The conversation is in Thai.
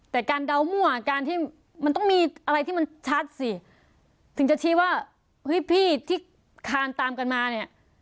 แต่การเดามั่วการที่มันต้องมีอะไรที่มันชัดสิถึงจะชี้ว่าเฮ้ยพี่ที่คานตามกันมาเนี่ย